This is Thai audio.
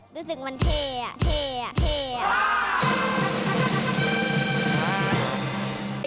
รู้สึกมันเท่าะเท่าะเท่าะ